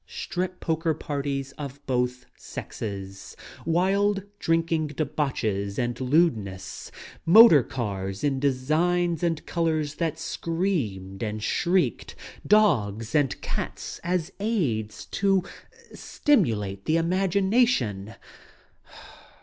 Strip poker parties of both sexes, wild drinking debauches and lewdness, motor cars in designs and colors that screamed and shrieked ^dogs and cats as aids to stimulate the imagination.